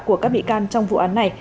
của các bị can trong vụ án này